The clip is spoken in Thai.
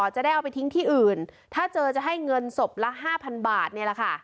จะได้เอาไปทิ้งที่อื่นถ้าเจอจะให้เงินศพละห้าพันบาทเนี่ยแหละค่ะ